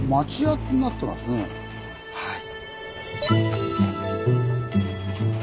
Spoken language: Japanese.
はい。